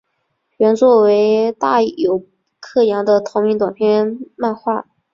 原作为大友克洋的同名短篇漫画。